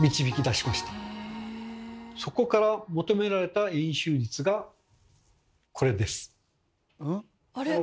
そこから求められた円周率がこれです。